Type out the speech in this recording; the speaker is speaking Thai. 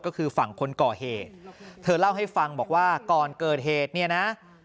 ก็คือฝั่งคนก่อเหตุเธอเล่าให้ฟังบอกว่าก่อนเกิดเหตุเนี่ยนะ